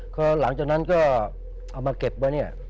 พอหลังจากนั้นก็เอามาเก็บไว้เนี่ย